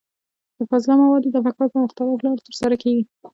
د فاضله موادو دفع کول په مختلفو لارو ترسره کېږي.